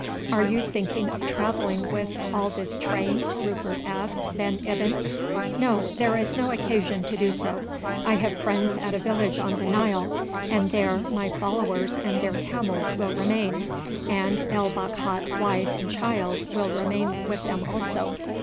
"Are you thinking of travelling with all this train?" Rupert asked Ben Ibyn. "No, there is no occasion to do so. I have friends at a village on the Nile, and there my followers and their camels will remain, and El Bakhat's wife and child will remain with them also.